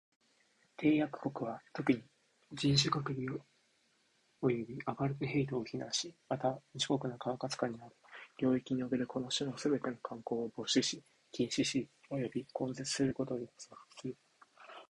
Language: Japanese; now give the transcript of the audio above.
締約国は、特に、人種隔離及びアパルトヘイトを非難し、また、自国の管轄の下にある領域におけるこの種のすべての慣行を防止し、禁止し及び根絶することを約束する。